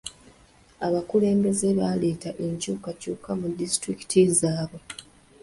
Abakulembeze baleeta enkyukakyuka mu disitulikiti zaabwe.